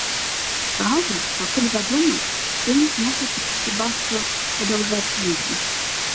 Праўда, пакуль вядома, што ім змогуць хіба што падаўжаць візы.